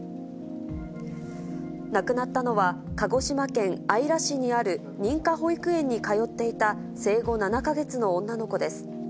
亡くなったのは、鹿児島県姶良市にある認可保育園に通っていた生後７か月の女の子です。